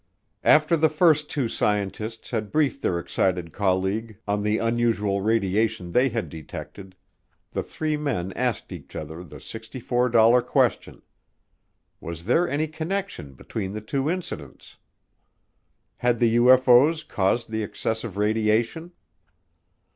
After the first two scientists had briefed their excited colleague on the unusual radiation they had detected, the three men asked each other the $64 question: Was there any connection between the two incidents? Had the UFO's caused the excessive radiation?